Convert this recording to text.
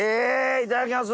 いただきます。